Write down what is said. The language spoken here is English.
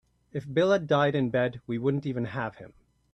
If Bill had died in bed we wouldn't even have him.